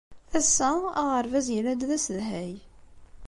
Ass-a, aɣerbaz yella-d d asedhay.